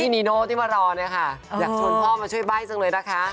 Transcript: นิโน่ที่มารออยากชนพ่อมาช่วยบ้ายจังเลยนะคะ